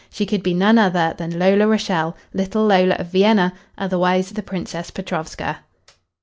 She could be none other than Lola Rachael, little Lola of Vienna, otherwise the Princess Petrovska.